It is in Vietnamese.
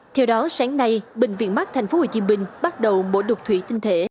theo đó sáng nay bệnh viện mắc tp hcm bắt đầu mổ đột thủy tinh thể